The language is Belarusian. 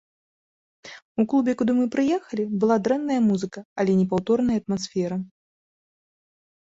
У клубе, куды мы прыехалі, была дрэнная музыка, але непаўторная атмасфера.